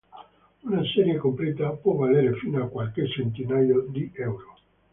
Una serie completa può valere fino a qualche centinaio di euro.